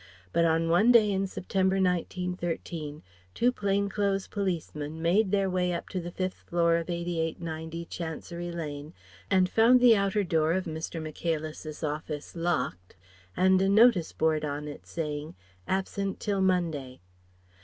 But on one day in September, 1913, two plain clothes policemen made their way up to the fifth floor of 88 90 Chancery Lane and found the outer door of Mr. Michaelis's office locked and a notice board on it saying "Absent till Monday."